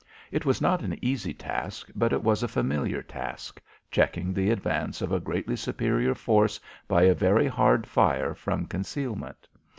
It was not an easy task, but it was a familiar task checking the advance of a greatly superior force by a very hard fire from concealment.